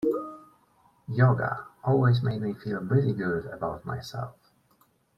Yoga always made me feel really good about myself.